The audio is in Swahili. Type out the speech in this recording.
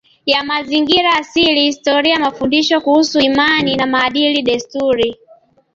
ya mazingira asili historia mafundisho kuhusu imani na maadili desturi